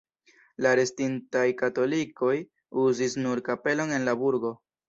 La restintaj katolikoj uzis nur kapelon en la burgo.